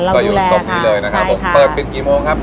จื้อตรงนี้เลยนะคะผมเปิดปิดกี่โมงครับ